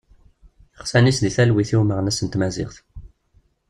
Iɣsan-is deg talwit i umeɣnas n tmaziɣt.